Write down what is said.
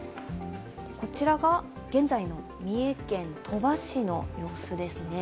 こちらが現在の三重県鳥羽市の様子ですね。